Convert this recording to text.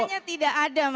mck nya tidak ada mas emil